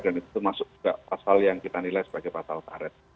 itu masuk juga pasal yang kita nilai sebagai pasal karet